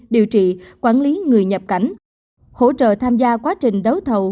điều trị quản lý người nhập cảnh hỗ trợ tham gia quá trình đấu thầu